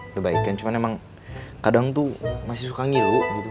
udah baikin cuman emang kadang tuh masih suka ngilu gitu